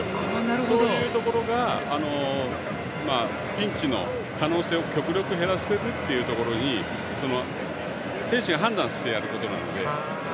そういうところがピンチの可能性を極力減らしていくというところに選手が判断してやることなので。